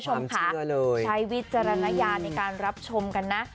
ใช้วิจารณญาณในการรับชมกันนะ